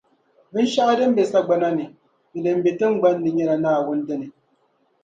Binshɛɣu din be sagbana ni, ni din be tiŋgbani ni nyɛla Naawuni dini.